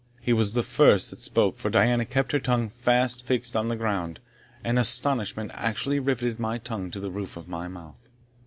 He was the first that spoke, for Diana kept her eyes fast fixed on the ground, and astonishment actually riveted my tongue to the roof of my mouth.